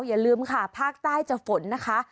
อย่าลืมค่ะภาคใต้จะฝนนะคะ